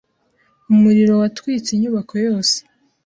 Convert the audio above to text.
Umuriro watwitse inyubako yose.